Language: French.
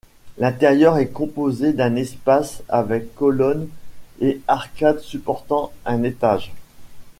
L'intérieur est composé d'un espace avec colonnes et arcades supportant un étage.